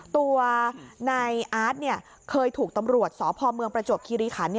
ตัวนายอาร์ตเคยถูกตำรวจสพเมืองประจวบคิริขัน